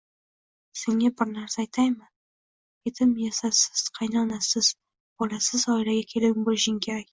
Senga bir narsa aytaymi? Yetimg'esirsiz, qaynonasiz, bolasiz oilaga kelin bo'lishing kerak.